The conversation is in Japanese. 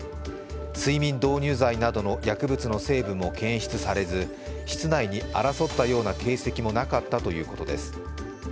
睡眠導入剤などの薬物の成分も検出されず室内に争ったような形跡もなかったということです。